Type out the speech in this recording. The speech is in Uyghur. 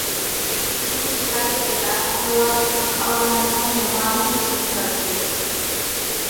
ئۇنىڭ چىرايلىرىدا پەرۋاسىزلىق ئالامەتلەر نامايان بولۇپ تۇراتتى.